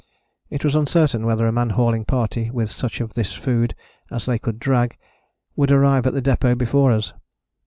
It was uncertain whether a man hauling party with such of this food as they could drag would arrive at the depôt before us.